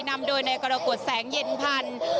นำโดยนายกรกฎแสงเย็นพันธุ์